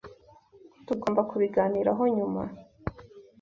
Tugomba kubiganiraho nyuma.